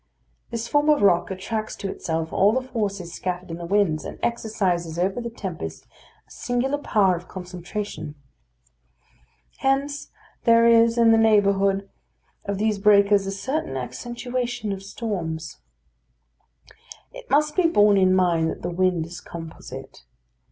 This form of rock attracts to itself all the forces scattered in the winds, and exercises over the tempest a singular power of concentration. Hence there is in the neighbourhood of these breakers a certain accentuation of storms. It must be borne in mind that the wind is composite.